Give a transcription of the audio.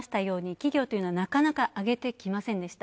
企業というのはなかなか上げてきませんでした。